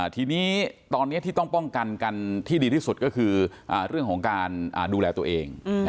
ทีนี้ตอนนี้ที่ต้องป้องกันกันที่ดีที่สุดก็คือเรื่องของการดูแลตัวเอง